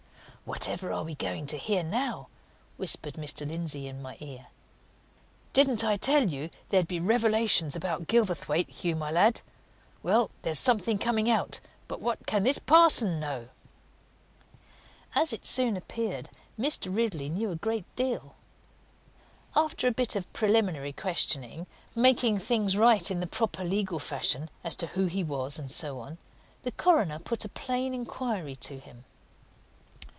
"Whatever are we going to hear now?" whispered Mr. Lindsey in my ear. "Didn't I tell you there'd be revelations about Gilverthwaite, Hugh, my lad? Well, there's something coming out! But what can this parson know?" As it soon appeared, Mr. Ridley knew a good deal. After a bit of preliminary questioning, making things right in the proper legal fashion as to who he was, and so on, the coroner put a plain inquiry to him.